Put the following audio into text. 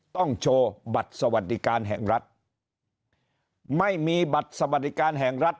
ต้องโชว์บัตรสวัสดิการแห่งรัฐไม่มีบัตรสวัสดิการแห่งรัฐ